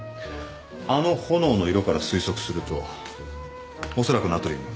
あの炎の色から推測すると恐らくナトリウム。